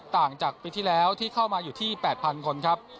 ต่างจากปีที่แล้วที่เข้ามาอยู่ที่๘๐๐คนครับ